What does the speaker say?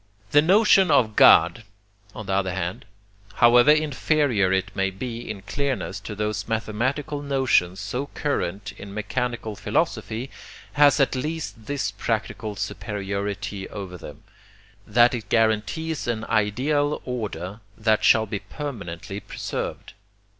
The notion of God, on the other hand, however inferior it may be in clearness to those mathematical notions so current in mechanical philosophy, has at least this practical superiority over them, that it guarantees an ideal order that shall be permanently preserved.